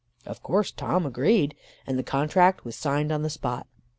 Of course Tom agreed, and the contract was signed on the spot.